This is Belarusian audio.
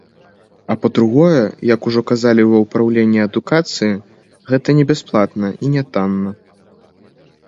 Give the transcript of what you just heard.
А па-другое, як ужо казалі ва ўпраўленні адукацыі, гэта не бясплатна і нятанна.